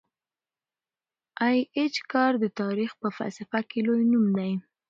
ای اېچ کار د تاریخ په فلسفه کي لوی نوم دی.